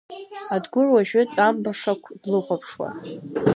Адгәыр уажәы тәамбашақә длыхәаԥшуа.